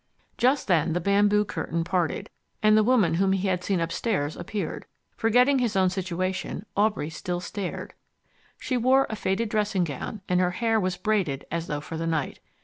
Just then the bamboo curtain parted, and the woman whom he had seen upstairs appeared. Forgetting his own situation, Aubrey still stared. She wore a faded dressing gown and her hair was braided as though for the night.